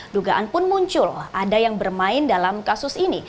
dugaan pun muncul ada yang bermain dalam kasus ini